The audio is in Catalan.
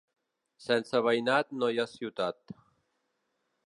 Sense veïnat no hi ha ciutat